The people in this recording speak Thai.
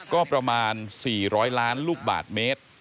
ก็ประมาณ๔๐๐๐๐๐ลูกบทเม็ด